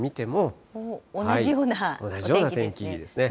同じようなお天気ですね。